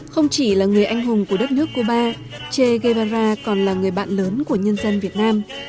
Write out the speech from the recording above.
không chỉ là người anh hùng của đất nước cuba che guevara còn là người bạn lớn của nhân dân việt nam